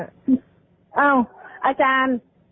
อาจารย์